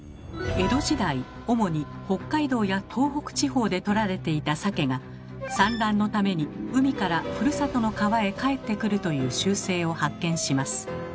江戸時代主に北海道や東北地方で取られていた鮭が産卵のために海からふるさとの川へ帰ってくるという習性を発見します。